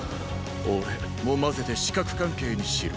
「俺」も混ぜて四角関係にしろ。